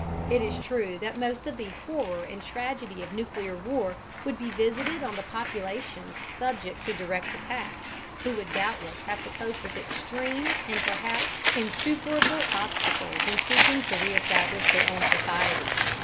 It is true that most of the horror and tragedy of nuclear war would be visited on the populations subject to direct attack, who would doubtless have to cope with extreme and perhaps insuperable obstacles in seeking to reestablish their own societies.